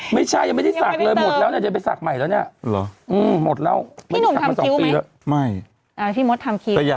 ไม่ใช่ยังไม่ได้สักเลยหมดแล้วเนี่ยจะไปสักใหม่แล้วเนี่ย